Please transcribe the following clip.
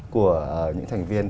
của những thành viên